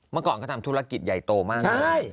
เมื่อก่อนเขาทำธุรกิจใหญ่โตมากเลย